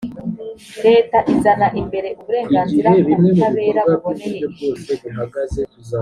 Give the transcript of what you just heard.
leta izana imbere uburenganzira ku butabera buboneye ijisho.